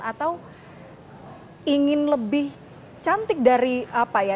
atau ingin lebih cantik dari apa ya